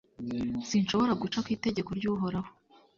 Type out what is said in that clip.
sinshobora guca ku itegeko ry’uhoraho.